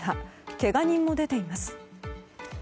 けが人も出ています。